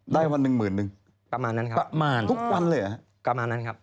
ได้วันหนึ่งหมื่นหนึ่งทุกวันเลยเหรอครับประมาณนั้นครับ